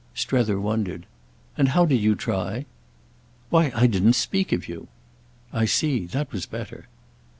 Strether wondered. "And how did you try?" "Why I didn't speak of you." "I see. That was better."